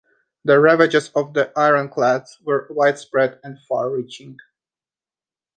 The ravages of the ironclads were widespread and far-reaching.